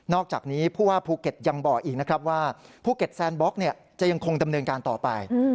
อกจากนี้ผู้ว่าภูเก็ตยังบอกอีกนะครับว่าภูเก็ตแซนบล็อกจะยังคงดำเนินการต่อไป